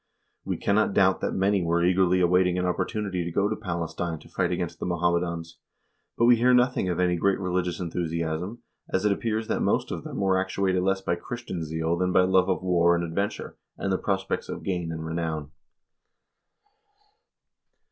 We cannot doubt that many were eagerly awaiting an opportunity to go to Palestine to fight against the Mohammedans, but we hear nothing of any great religious enthusiasm, and it appears that most of them were actuated less by Christian zeal than by Jove of war and adventure, and the prospects of gain and renown.